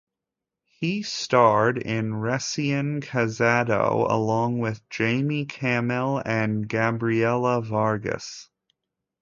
He starred in Recien Cazado along with Jaime Camil and Gabriela Vargas.